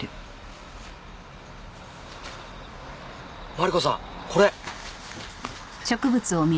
マリコさんこれ！